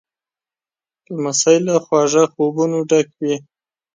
لمسی له خواږه خوبونو ډک وي.